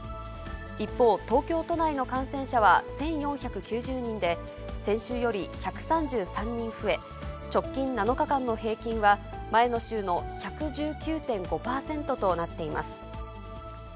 一方、東京都内の感染者は１４９０人で、先週より１３３人増え、直近７日間の平均は、前の週の１１９．５％となっています。